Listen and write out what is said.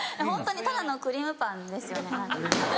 ホントにただのクリームパンですよね。